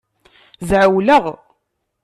Zɛewleɣ.